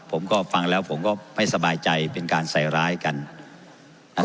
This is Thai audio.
ผมก็ฟังแล้วผมก็ไม่สบายใจเป็นการใส่ร้ายกันนะครับ